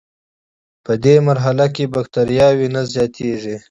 پدې مرحله کې بکټریاوې نه زیاتیږي.